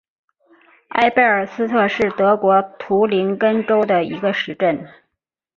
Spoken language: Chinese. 埃贝尔斯特是德国图林根州的一个市镇。